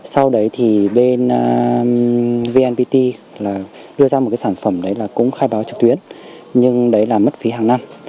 sau đấy bên vnpt đưa ra một sản phẩm khai báo trực tuyến nhưng đấy là mất phí hàng năm